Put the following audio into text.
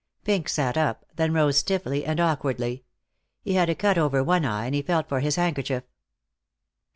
Pink sat up, then rose stiffly and awkwardly. He had a cut over one eye, and he felt for his handkerchief.